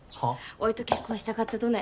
おいと結婚したかったとね？